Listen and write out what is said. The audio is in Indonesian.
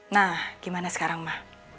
nah gimana sekarang ma